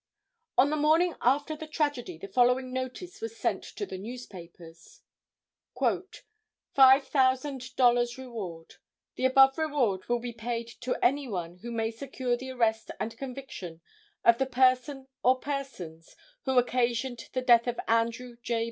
On the morning after the tragedy the following notice was sent to the newspapers: "Five thousand dollars reward. The above reward will be paid to any one who may secure the arrest and conviction of the person or persons, who occasioned the death of Andrew J.